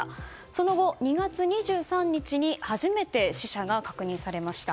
その後、２月２３日に初めて死者が確認されました。